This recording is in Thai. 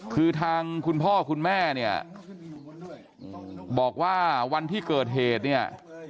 คือทางคุณพ่อคุณแม่เนี่ยบอกว่าวันที่เกิดเหตุเนี่ย